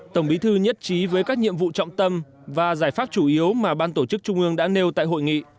tổng bí thư nhất trí với các nhiệm vụ trọng tâm và giải pháp chủ yếu mà ban tổ chức trung ương đã nêu tại hội nghị